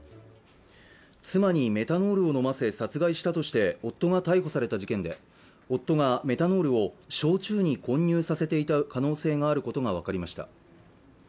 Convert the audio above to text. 妻にメタノールを飲ませ殺害したとして夫が逮捕された事件で夫がメタノールを焼酎に混入させていた可能性があることが分かりました